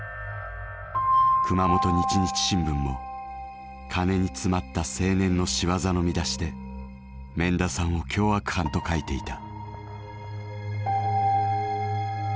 熊本日日新聞も「金につまった青年のしわざ」の見出しで免田さんを凶悪犯と書いていた。